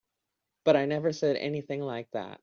But I never said anything like that.